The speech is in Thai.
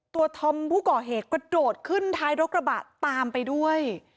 ธอมผู้ก่อเหตุกระโดดขึ้นท้ายรถกระบะตามไปด้วย